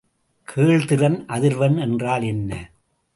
கேள்திறன் அதிர்வெண் என்றால் என்ன?